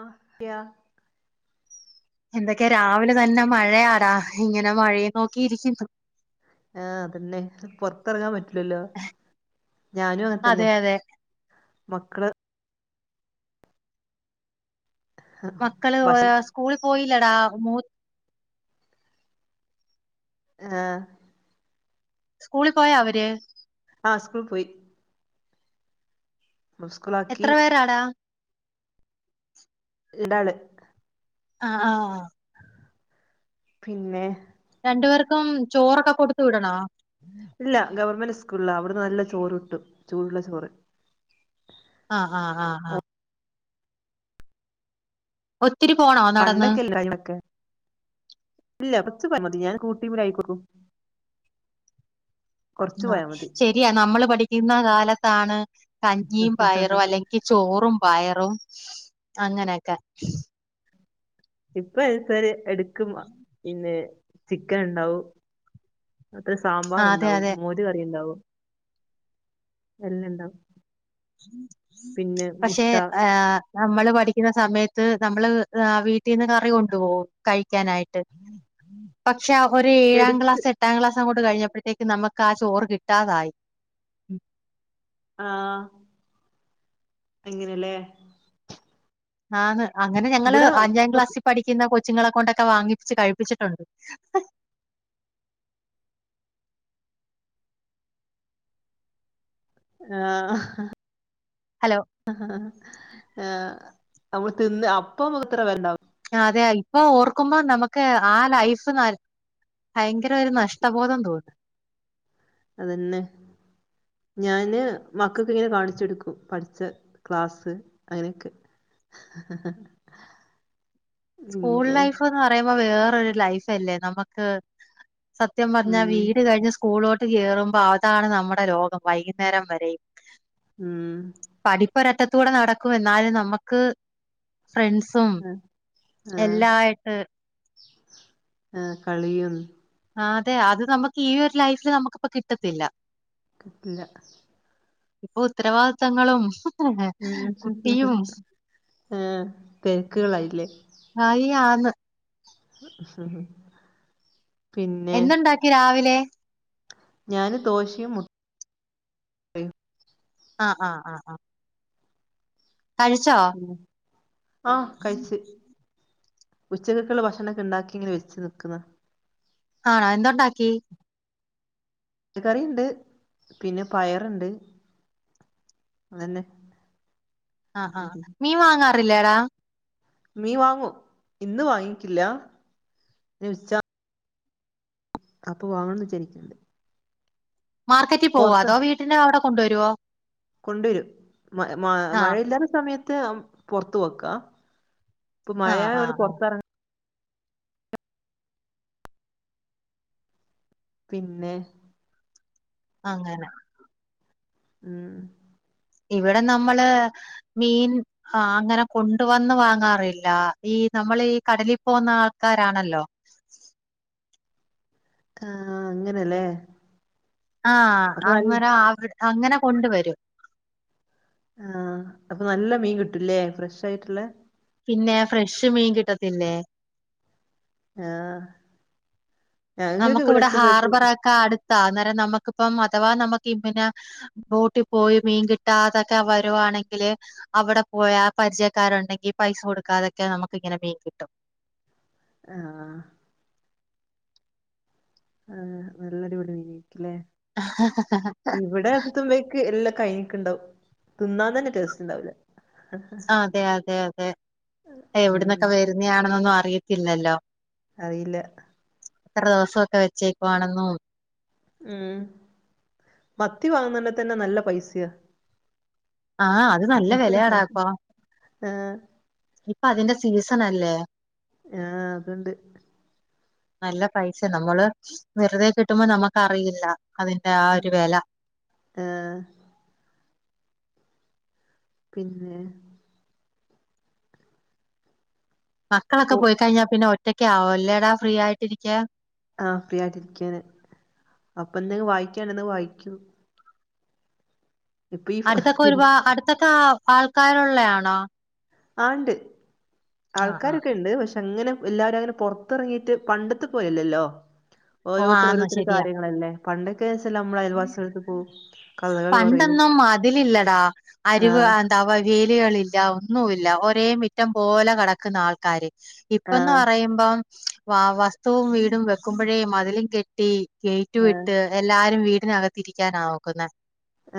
ആ എത്തിയോ എന്തൊക്കെ രാവിലെ തന്നെ മഴയാടാ ഇങ്ങനെ മഴയും നോക്കിയിരിക്കുന്നു ആഹ് അതന്നെ പൊറത്തിറങ്ങാൻ പറ്റുലല്ലോ ഞാനും അങ്ങനെത്തന്നെ അതെ അതെ മക്കള് മക്കള് ബസി സ്കൂളിൽ പോയില്ലടാ മൂ ആഹ് സ്കൂളി പോയാ അവര് ആ സ്കൂൾ പോയി മ സ്കുളാക്കി എന്താടാ ഇടല് ആ ആഹ് പിന്നെ രണ്ടു പേർക്കും ചോറൊക്കെ കൊടുത്തു വിടണോ ഇല്ല ഗവൺമെന്റ് സ്കൂളാ അവിടുന്ന് നല്ല ചോറ് കിട്ടും ചൂടുള്ള ചോറ് ആഹ് ആഹ് ആഹ് ആഹ് ഒത്തിരി പോണോ നടന്ന് പണ്ടൊക്കെ എല്ലാരൊക്കെ ഇല്ല കൊറച്ച് പോയാ മതി ഞാൻ കൂട്ടി പോയിക്ക്ന്നു കൊറച്ച് ആ പോയാ മതി ശരിയാ നമ്മള് പഠിക്കുന്ന കാലത്താണ് കഞ്ഞിയും പയറും അല്ലെ ഇക്ക് ചോറും പയറും അങ്ങനെയൊക്കെ ഇപ്പൊ അഹ് എടത്താല് എടുക്കുമ്പോ പിന്നെ ചിക്കന് ഉണ്ടാവും അത്ര ആ അതെ സാമ്പാറ്ണ്ടാവും അതെ മോര് കറിയുണ്ടാവും എല്ലണ്ടാവും പക്ഷെ ഏഹ് നമ്മള് പഠിക്കുന്ന സമയത്ത് നമ്മള് വീട്ടീന്ന് കറി കൊണ്ടു പോവും കഴിക്കാനായി ട്ട് പക്ഷെ ഒരു ഏഴാം എടുക്ക് ക്ലാസ് എ എട്ടാം ക്ലാസ് അങ്ങോട്ട് കഴിഞ്ഞപ്പോഴത്തേക്ക് നമുക്ക് ആ ചോറ് കിട്ടാതായി ആഹ് എങ്ങനെല്ലേ ആ ന്ന് അങ്ങനെ ഞങ്ങള് ഇവിടെ അഞ്ചാം ക്ലാസ്സിൽ പഠി ക്കാന്ന കൊച്ചുങ്ങളെ കൊണ്ടൊക്കെ വാങ്ങിപ്പിച്ച് കഴിപ്പിച്ചിട്ടുണ്ട് ആഹ് ഹലോ ഏഹ് നമ്മള് തിന്ന് അപ്പ മാത്ര ഇവരുണ്ടാവു അതെ ഇപ്പൊ ഓർക്കുമ്പോ നമുക്ക് ആ ലൈഫ് ന ഭയങ്കര ഒരു നഷ്ടബോധം തോന്നും അതെന്നെ ഞാന് മക്കക്ക് ഇങ്ങനെ കാണിച്ചൊടുക്കും പഠിച്ച ക്ലാസ്സ് അങ്ങനൊക്കെ സ്കൂൾ ലൈഫ്ന്ന് പറയുമ്പോ വേറൊരു ലൈഫ്ല് അല്ലേ നമുക്ക് സത്യം പറഞ്ഞ ഉം വീട് കഴിഞ്ഞാ സ് സ്കൂലോട്ട് കയറുമ്പോ അതാണ് നമ്മുടെ ലോകം വൈകുന്നേരം വരെയും ഉം പഠിപ്പ് ഒരറ്റത്തൂടെ നടക്കും എന്നാല് നമുക്ക് ഫ്രണ്ട്സും ആഹ് എല്ലായിട്ട് ആഹ് കളിയും ആ അതെ അത് നമുക്ക് ഈ ഒരു ലൈഫില് നമുക്കിപ്പം കിട്ടത്തില്ല കിട്ടൂല ഇപ്പൊ ഉത്തരവാദിത്തങ്ങളും കുട്ടിയും ഉം ആഹ് തെരക്കുകളായില്ലേ ആയി ആ ന്ന് പിന്നെ എന്തുണ്ടാക്കി രാവിലെ? ഞാന് ദോശയും മു- ആ് ആഹ് ആഹ് ആഹ് കഴിച്ചോ ഉം ആഹ് കഴിച്ച് ഉച്ചകൾക്കുള്ള ഭക്ഷണക്കെ ഉണ്ടാക്കി ഇങ്ങനെ വെച്ച് നിക്കന്ന് ആ എന്ത്‌ ഒണ്ടാക്കി- ച്ചിക്കൻ കറിണ്ട് പിന്നെ പയറിണ്ട് അതന്നെ ആഹ് ആഹ് മീ വാങ്ങാറില്ലേടാ മീൻ വാങ്ങൂ ഇന്ന് വാങ്ങിട്ട്ല്ല ഇന്ന്ച്ചാൽ അപ്പോ വാങ്ങണംന്ന് വിച്ചാരിക്കിണ്ട് മാർക്കറ്റിൽ പോവോ അതോ വീട്ടിന് അവിടെ കൊണ്ടുവരുവോ കൊണ്ടേവരും മ മ ആ മഴയില്ലാത്ത സമയത്ത് പൊറത്ത് പൊക്കാ ഇപ്പ ആ ആ മയായൊണ്ട് ആ പോർത്തെറാങ്ങ- പിന്നെ അങ്ങനെ ഉം ഇവിടെ നമ്മള് മീൻ ആഹ് അങ്ങനെ കൊണ്ട് വന്ന് വാങ്ങാറില്ല ഈ നമ്മഈ കടലിൽ പോകുന്ന ആൾക്കാരാണല്ലോ ഉം അങ്ങനെല്ലേ ആഹ് അങ്ങനെ അ കൊണ്ട് വരും ആഹ് അപ്പ നല്ല മീൻ കിട്ടൂല്ലേ ഫ്രഷ് ആയിട്ടുള്ളെ പിന്നെ ഫ്രഷ് മീൻ കിട്ടത്തില്ലേ ആഹ് നമക്കു ഇവിടെ എത്തുമ്പോഴേക്ക് ഹാർബറാക്കെ അടുത്താ അന്നേരം നമുക്കിപ്പം അഥവാ നമ്മക്കി പിന്നെ ബോട്ടിൽ പോയി മീൻ കിട്ടാതക്കെ വരുവാണെങ്കില് അവിടെ പോയാ പരിചയക്കാരുണ്ടെങ്കിൽ പൈസ കൊടുക്കാതൊക്കെ നമ്മക്ക് ഇങ്ങനെ മീൻ കിട്ടും ആഹ് ആഹ് നല്ലൊടിപോളി മീന് കിട്ട്ല്ലേ ഇവിടെ എത്തുമ്പോഴേക്ക് എല്ല കയിഞ്ഞിക്കിണ്ടാവും തിന്നാൻ തന്നെ ടേസ്റ്റ് ഇണ്ടാവില്ല ആഹ് അതെ അതെ അതെ അതെ ഉം എവിടുന്നൊക്കെ വേരുന്നാണെന്നൊന്നും അറിയത്തില്ലല്ലോ അറിയില്ല എത്ര ദിവസൊക്കെ വെച്ചേക്കാണെന്നും ഉം മത്തി വാങ്ങുന്നാ തന്നെ നല്ല പൈസയ ആഹ് അത് നല്ല വിലയാടാപ്പോ ആഹ് ഇപ്പ അതിന്റെ സീസണ ല്ലേ ആഹ് അതുണ്ട് നല്ല പൈസ നമ്മള് വെറുതെ കിട്ടുമ്പോ നമുക്ക്റിയില്ല അതിന്റെ ആഹ് ഒരു വെല ആഹ് പിന്നെ മക്കളൊക്കെ കോ പോയി കഴിഞ്ഞാൽ പിന്നെ ഒറ്റക്കാവുല്ലെടാ ഫ്രീ ആയിട്ടിരിക്ക ആഹ് ഫ്രീ ആയിട്ടിരിക്കാണ് അപ്പ എന്തെലും വായിക്കാള്ളത് വായിക്കൂ ഈ അടുത്തൊക്കെ ഇത് ഒരുപാ അടുത്തൊക്കെ ആൾ ആൾക്കാരോള്ളെ ആണോ ആണ്ട് ആ ആ ആൾക്കാരൊക്കെ ഇണ്ട് പക്ഷെ അങ്ങനെ എല്ലാവരു അങ്ങനെ പോർത്തിറങ്ങിയിട്ട് പണ്ടത്തെ പോലെ യല്ലല്ലോ ഓ ഓരോത്തർ ആന്ന് ഓരോത്തരെ ശരിയാ കാര്യങ്ങളല്ലേ പണ്ടൊക്കെ ചെല്ല നമ്മള അയൽവസിളെടുത്ത് പോവും കഥകള് പറയും എടാ അരിവ് ആഹ് അ തവാ വേലികളില്ല ഒന്നുല്ല ഒരേ മിറ്റം പോലെ കെടക്കുന്ന ആൾക്കാര് ഇപ്പന്ന് ആഹ് പറയുമ്പം വ വസ്തുവും വീടും വെക്കുമ്പഴേ മതിലും കെട്ടി ഗേറ്റു വിട്ട് എല്ലാരും വീടിനകത്തിരിക്കാനാ നോക്കുന്നെ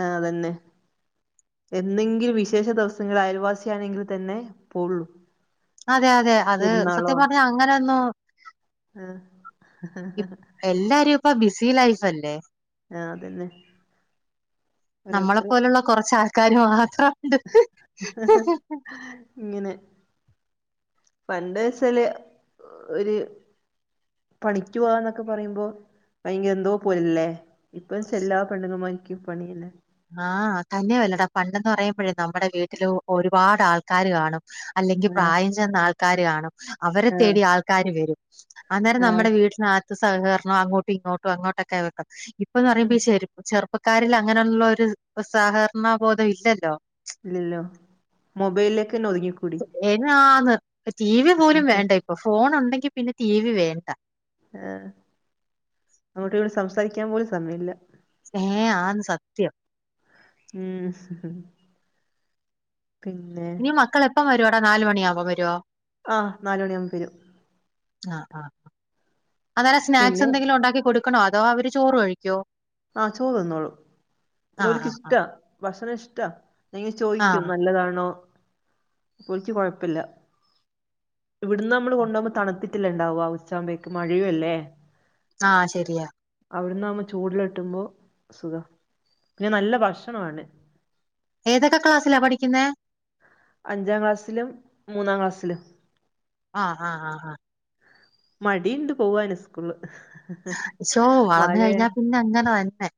ആഹ് അതന്നെ എന്തെങ്കിലും വിശേഷ ദിവസങ്ങൾ അയൽവാസി ആണെങ്കിൽ തന്നെ പോവുള്ളൂ അതെ അതെ അത് പെരുന്നാളോ സത്യം പറഞ്ഞ അങ്ങനെയൊന്നു ആഹ് എല്ലാരും ഇപ്പ ബിസി ലൈഫ് അല്ലേ ആഹ് അതന്നെ ഓരോരുത്തര് നമ്മളെപ്പോലുള്ള കുറച്ചാൾക്കാര് മാത്രം ഉണ്ട് ഇങ്ങനെ പണ്ട് വെച്ചാല് ഒര് പണിക്ക് പോവാന്നൊക്കെ പറയുമ്പോ ഭയങ്കര എന്തോ പോലല്ലേ ഇപ്പൊ ചെല്ല പെണ്ണുങ്ങമാർക്കും പണിയില്ലെ ആഹ് തന്നെയ വല്ലടാ പണ്ടെന്ന് പറയുമ്പഴേ നമ്മുടെ വീട്ടില് ഒരുപാട് ആൾക്കാര് കാണും അല്ലെങ്കിൽ ആഹ് പ്രായം ചെന്ന ആൾക്കാര് കാണും അവരെ ആഹ് തേടി ആൾക്കാര് വെരും അന്നേരം ആഹ് നമ്മുടെ വീട്ടിനാ സഹകരണം അങ്ങോട്ടും ഇങ്ങോട്ടും അങ്ങോട്ടൊക്കെ വയ്ക്കും ഇപ്പൊന്ന് ഉം പറയുമ്പോ ചെ ചെറുപ്പക്കാരിൽ അങ്ങനെയുള്ളരു [unintelligible] സഹകരണ ബോധം ഇല്ലല്ലോ ഇല്ലല്ലോ മൊബൈലിലേക്കന്നെ ഒതുങ്ങിക്കൂ എയ്നാന്ന് ടി വി പോലും വേണ്ട ഇപ്പൊ ഫോൺ ഉണ്ടെങ്കി പിന്നെ ടി വി വേണ്ട ആഹ് അങ്ങോട്ട് ഇങ്ങോട്ട് സംസാരിക്കാൻ പോലും സമയല്ല ഏഹ് ആഹ് സത്യം ഉം പിന്നെ ഇനി മക്കളെ എപ്പം വരുവോട നാല്മണിയാവുമ്പം വരുവോ ആഹ് നാല് മണിയാവുമ്പ വരും ആ ആ അന്നേര സ്നാക്സ് പിന്നെ എന്തെങ്കിലും ഉണ്ടാക്കി കൊടു ക്കണോ അതോ അവര് ചോറ് കഴിക്കോ ആ ചോറ് തിന്നോളു ഓല് ആഹ് ക്ക്‌ ആഹ് ഇഷ്ട ആഹ്. ഭക്ഷണ ഇഷ്ടാ എന്തെങ്കിൽ ആഹ്. ചോയിക്കും നല്ലതാണോ ഓല്ക്ക്‌ കൊഴപ്പല്ല ഇവട്‌ന്ന് നമ്മള് കൊണ്ടാവുമ്പോ തണുത്തിട്ടല്ലേണ്ടാവ ഉച്ചാവുമ്പേക്ക് മഴഴു അല്ലേ ആ ശരിയാ അവ്ട്‌ന്നാവുമ്പോ ചൂട്‌ള്ള കിട്ടുമ്പോ സുഖ പിന്നെ നല്ല ഭക്ഷണമാണ് ഏതൊക്കെ ക്ലാസ്സിലാ പഠിക്കുന്ന അഞ്ചാം ക്ലാസ്സിലും മൂന്നാം ക്ലാസ്സിലും ആ ആ ആ ആ മടിണ്ട് പോവാന് സ്കൂൾല് ശോ വളർന്ന് മയെ കഴിഞ്ഞാ പിന്നെ അങ്ങനെ തന്നെ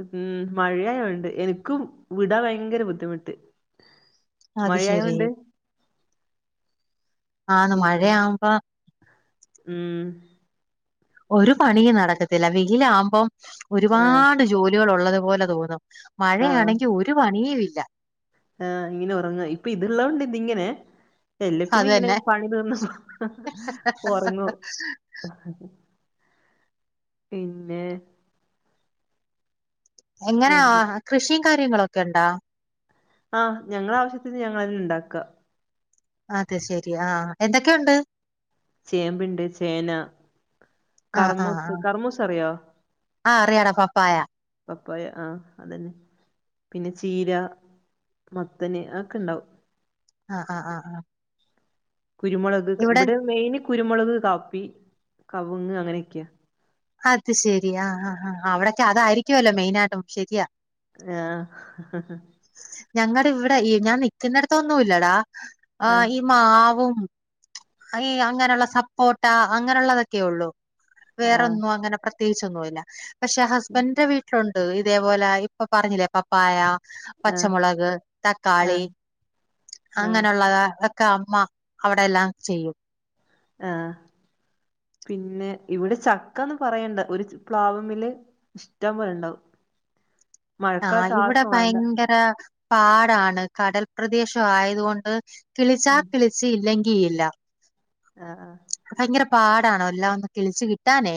ഉം മഴയായോണ്ട് എനിക്കും വിടാ ഭയങ്കര ബുദ്ധിമുട്ട് അത് ശരി മഴയായോണ്ട് ആന്ന് ഉം മഴയാ ആവുമ്പ ഉം ഒരു പണിയും നടക്കത്തില്ല വെയിലാവുമ്പം ഒരുപാട് ജോലികൾ ഉള്ളതു പോലെ തോന്നും മഴയാണെങ്കി ഒരു പണിയി ഇല്ല ആ ഇങ്ങനെ ഒറങ്ങാ ഇപ്പൊ ഇത്ള്ളോണ്ട് ഇതിങ്ങനെ എല്ല പിന്നെ അത് ഇങ്ങനെ തന്നെ പണി തീർന്നാ ഒർങ്ങും പിന്നെ എങ്ങനാ കൃഷിം കാര്യങ്ങളൊക്കെ ഇണ്ടാ ആ ഞങ്ങള ആവശ്യത്തിന് ഞങ്ങളെന്നെ ഇണ്ടാക്ക അത് ശെരി ആ എന്തൊക്കെയുണ്ട് ചേമ്പ്ണ്ട് ചേന കറ്മൂ. കറ്മൂസ അറിയോ ആ അറിയാടാ പപ്പായ പപ്പായ ആ അതന്നെ പിന്നെ ചീര മത്തന് അഒക്കെ ഇണ്ടാവും ആ ആ ആ ആ കുരുമുളക് ക ഇവടെ മെയിന് കുരുമുളക് കാപ്പി കവുങ്ങ് അങ്ങനൊക്ക്യാ അത് ശരി ആ ആ ആ അവടൊക്കെ അതായിരിക്കുവല്ലോ മെയിനായിട്ടും ശെരിയാ ആഹ് ഞങ്ങടെ ഇവടെ ഈ ഞാൻ നിക്കുന്നൊടത്തൊന്നുല്ലടാ ആ ആഹ് ഈ മാവും ഈ അങ്ങനള്ള സപ്പോട്ടാ അങ്ങനള്ളതൊക്കെ ഒള്ളു ആഹ് വേറൊന്നും അങ്ങനെ പ്ര ത്യേകിച്ചൊന്നുല്ല പക്ഷെ ഹസ്ബൻന്റെ വീട്ടിലുണ്ട് ഇതേപോലെ ഇപ്പ പർഞ്ഞി ലെ പ പ്പായ, ആഹ് പച്ചമുളക്, തക്കാളി ആഹ് ആഹ് അങ്ങനള്ള [unintelligible] ക്ക അമ്മ അവടെല്ലാം ചെയ്യും ആഹ് പിന്നെ ഇവിടെ ചക്കാന്നും പറയ്ണ്ട് ഒരു പ്ലാവ്മല് ഇഷ്ടം പോലെ ഇണ്ടാവും ആ ഇവടെ ഭയങ്കര പാടാണ് കടൽ പ്രദേശ ആയതുകൊണ്ട് കിളിച്ചാ ഉം കിളിച്ച് ഇല്ലെങ്കി ഇല്ല ആ ആ ഭയങ്കര പാടാണ് എല്ലാം ഒന്ന് കിളിച്ചു കിട്ടാനേ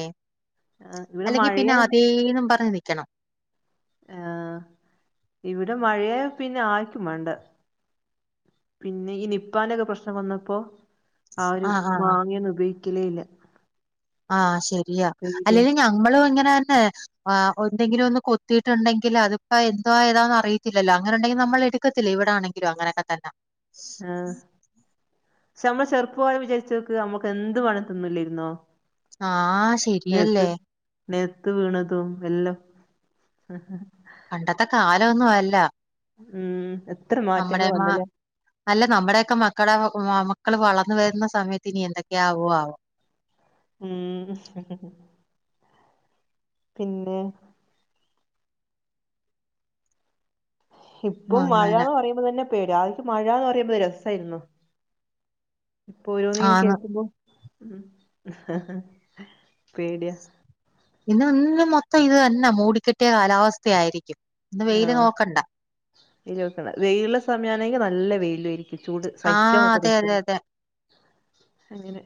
ആഹ് ഇവിടെ അല്ലെങ്കി മഴയ പിന്നെ അതേന്നും പറഞ്ഞ് നിക്കണം ആഹ് ഇവിടെ മഴയായ പിന്നെ ആർക്കും മാണ്ട പിന്നെ ഈ നിപ്പാൻ്റൊക്കെ പ്രശ്നം വന്നപ്പോ ആരും ആഹ് ആഹ് മാങ്ങെയൊന്നും ഉപയോഗിക്കലേ ഇല്ല ആ ശരിയാ പേടിയാ അല്ലെലും ഞമ്മളും ഇങ്ങനെന്നെ ആ ഒന്തെങ്കിലും ഒന്ന് കൊത്തിയിട്ടുണ്ടെങ്കില് അത്പ്പോ എന്തുവാ ഏതാന്ന് അറിയിത്തില്ലല്ലോ അങ്ങനെ ഇണ്ടെങ്കി നമ്മള് എടു ക്കെത്തില്ല ഇവടാണെങ്കിലു അങ്ങനെക്കെ തന്നാ ആഹ് ശ്ശെ നമ്മള് ചെറുപ്പാന്ന് വിചാരിച്ചു നോക്ക് നമ്മുക്ക് എന്ത് വേണേ തിന്നില്ലേയ്ര്ന്നോ ആ ശ നേത്ത് നേത്ത് വീണതും എല്ലാം പണ്ടത്തെ കാലൊന്നും അല്ല ഉം എത്ര നമ്മുടെ മാറ്റങ്ങള് മാ വന്ന്ല്ലേ അല്ല നമ്മടെക്കെ മക്കളെ മക്കള് വളർന്ന് വരുന്ന സമയത്ത് ഇനി എന്തൊക്കെയ ആവു ആവോ ഉം പിന്നെ ഇപ്പോ അങ്ങനെ മഴാന്ന് പറയുമ്പോ തന്നെ പേട്യാ ആദ്യക്ക് മഴാന്ന് പറയുമ്പോത് രസായിരുന്നു ഇപ്പൊ ഓരോന്ന് ഇങ്ങനെ ആന്ന് കേൾക്കുമ്പോ ഉം പേട്യാ ഇന്ന് ഇന്ന് മൊത്തം ഇത് തന്നാ മൂടി കെട്ടിയ കാലാവസ്ഥ ആയിരുക്കും ആഹ് ഇയില് വെക്കണം വെയിലുള്ള സമയാണെങ്കിൽ നല്ല വെയിലു ആരിക്കും ചൂട് ആഹ് സഹിക്കാൻപറ്റാത്ത അതെ അതെ ചൂട് അതെ അങ്ങനെ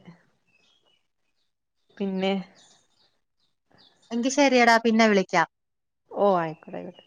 പിന്നെ എങ്കി ശെരിയടാ പിന്നെ വിളിക്കാം ഓ അയ്കോട്ടെ ആയിക്കോട്ടെ